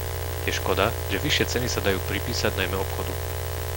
Je škoda, že vyššie ceny sa dajú pripísať najmä obchodu.